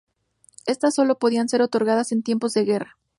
Estas sólo podrían ser otorgadas en tiempos de guerra.